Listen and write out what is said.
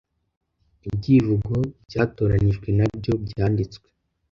Ibyivugo byatoranijwe na byo byanditswe